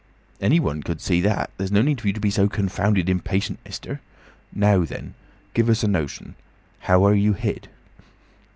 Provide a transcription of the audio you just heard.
"Anyone could see that. There is no need for you to be so confounded impatient, mister. Now then. Give us a notion. How are you hid?"